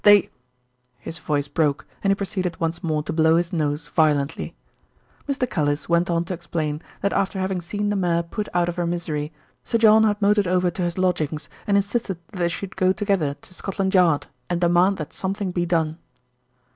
They " His voice broke, and he proceeded once more to blow his nose violently. Mr. Callice went on to explain that after having seen the mare put out of her misery, Sir John had motored over to his lodgings and insisted that they should go together to Scotland Yard and demand that something be done.